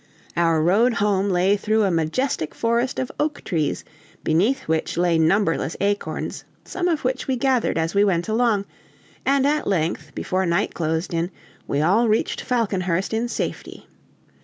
Our road home lay through a majestic forest of oak trees, beneath which lay numberless acorns, some of which we gathered as we went along; and at length, before night closed in, we all reached Falconhurst in safety.